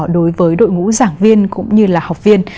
đối với đội ngũ giảng viên cũng như là học viên